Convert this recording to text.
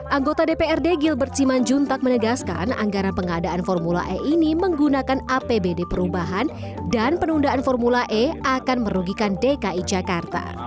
anggota dprd gilbert simanjuntak menegaskan anggaran pengadaan formula e ini menggunakan apbd perubahan dan penundaan formula e akan merugikan dki jakarta